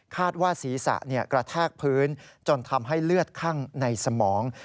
ว่าศีรษะกระแทกพื้นจนทำให้เลือดคั่งในสมอง